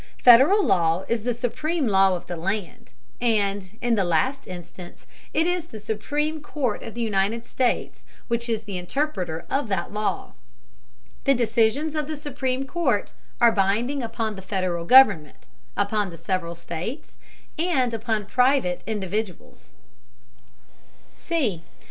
Federal law is the supreme law of the land, and, in the last instance, it is the Supreme Court of the United States which is the interpreter of that law. The decisions of the Supreme Court are binding upon the Federal government, upon the several states, and upon private individuals.